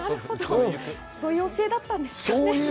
そういう教えだったんですね。